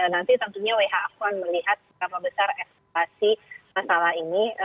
nanti tentunya who akan melihat berapa besar ekspektasi masalah ini